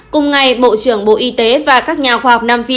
cùng ngày bộ trưởng bộ y tế và các nhà khoa học nam phi